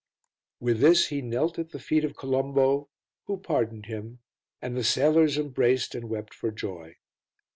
With this he knelt at the feet of Colombo who pardoned him, and the sailors embraced and wept for joy.